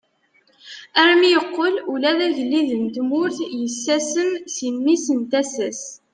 Armi yeqqel ula d agellid n tmurt yettasem si mmi n tasa-s.